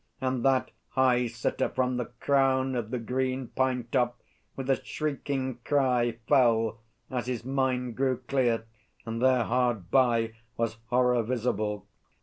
And that high sitter from the crown Of the green pine top, with a shrieking cry Fell, as his mind grew clear, and there hard by Was horror visible.